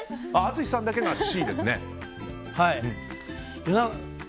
淳さんだけがＣですね。